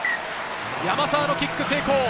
山沢のキック成功！